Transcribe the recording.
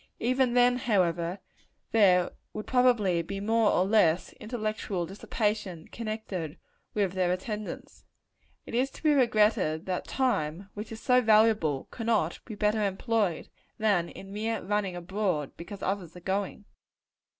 Even then, however, there would probably be more or less of intellectual dissipation connected with their attendance. It is to be regretted that time, which is so valuable, cannot be better employed, than in mere running abroad, because others are going.